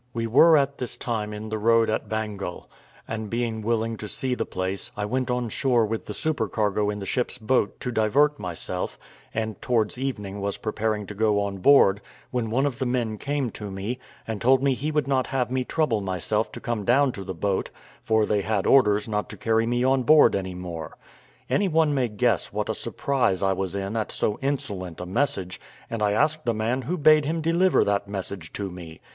We were at this time in the road at Bengal; and being willing to see the place, I went on shore with the supercargo in the ship's boat to divert myself; and towards evening was preparing to go on board, when one of the men came to me, and told me he would not have me trouble myself to come down to the boat, for they had orders not to carry me on board any more. Any one may guess what a surprise I was in at so insolent a message; and I asked the man who bade him deliver that message to me?